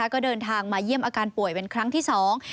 ก็เดินทางมาเยี่ยมอาการป่วยเป็นครั้งที่สอง